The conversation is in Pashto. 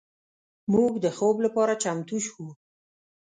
موږ د خوب لپاره چمتو شو.